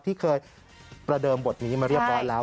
ที่เคยประเดิมบทนี้มาเรียบร้อยแล้ว